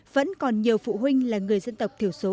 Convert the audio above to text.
vẫn còn nhiều phụ huynh là người dân tộc thiểu số